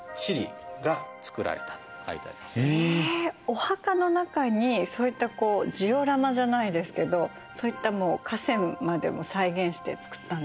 お墓の中にそういったジオラマじゃないですけどそういった河川までも再現して造ったんですか？